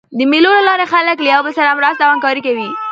د مېلو له لاري خلک له یو بل سره مرسته او همکاري کوي.